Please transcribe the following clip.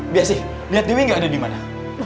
biasi lihat dewi gak ada dimana